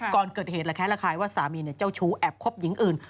ก่อนเกิดเหตุแข็งละครายว่าสามีเนี่ยเจ้าชู้แอบครบหญิงอื่น